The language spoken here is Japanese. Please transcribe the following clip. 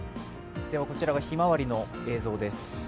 こちらがひまわりの映像です。